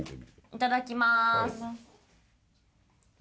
いただきます。